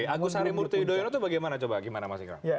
agus sari murti yudhoyono itu bagaimana